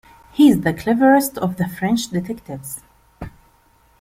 He is the cleverest of the French detectives.